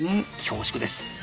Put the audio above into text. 恐縮です。